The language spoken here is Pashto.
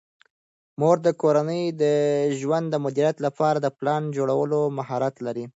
مور د کورني ژوند د مدیریت لپاره د پلان جوړولو مهارت لري.